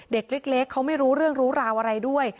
เด็กเล็กเขาไม่รู้เรื่องรู้ราวอะไรด้วย